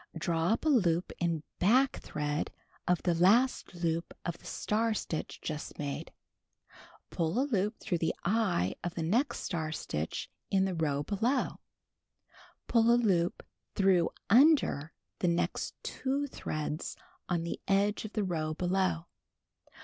Draw up a loop in back thread of the last loop of the star stitch just made. (See B.) Pull a loop through the "eye" of the next star stitch in the row below, (See C.) Pull a loop through under the next two threads on the edge of the row below.